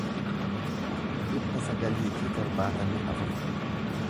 dhibba sagalii fi torbaatamii afur